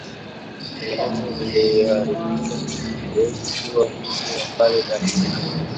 kutengeneza iliyoharibika hawezi kuwa mwizi wa pale Dar es Salaam